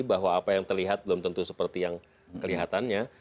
bahwa apa yang terlihat belum tentu seperti yang kelihatannya